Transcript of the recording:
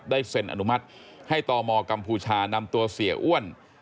เซ็นอนุมัติให้ตมกัมพูชานำตัวเสียอ้วน